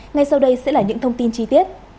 ngay sau đây sẽ là những thông tin chi tiết